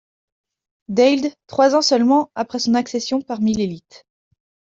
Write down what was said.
Deild, trois ans seulement après son accession parmi l'élite.